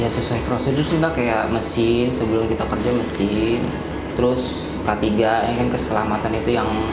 ya sesuai prosedur sudah kayak mesin sebelum kita kerja mesin terus ketiga ingin keselamatan itu yang